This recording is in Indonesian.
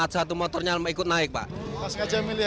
satu motornya ikut naik pak